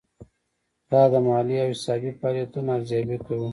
دا د مالي او حسابي فعالیتونو ارزیابي کوي.